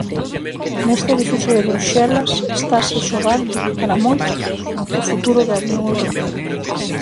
Neste edificio de Bruxelas estase xogando, para moitos, o futuro da Unión Europea.